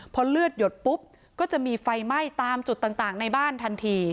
พอเลือดหยดปุ๊บก็จะมีไฟไหม้ตามจุดต่างในบ้านทันที